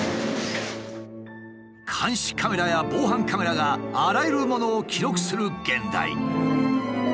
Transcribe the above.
監視カメラや防犯カメラがあらゆるものを記録する現代。